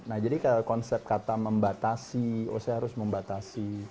nah jadi kayak konsep kata membatasi oh saya harus membatasi